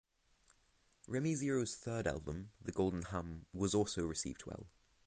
Remy Zero's third album "The Golden Hum" was also received well.